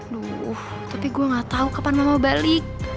duh tapi gue gak tau kapan mama balik